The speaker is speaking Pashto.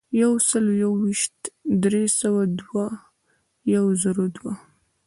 یو سلو یو ویشت ، درې سوه دوه ، یو زرو دوه.